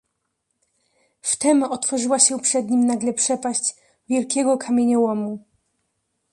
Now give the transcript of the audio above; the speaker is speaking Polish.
"Wtem otworzyła się przed nim nagle przepaść wielkiego kamieniołomu."